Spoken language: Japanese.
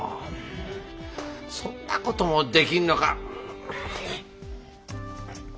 そんなこともできんのか。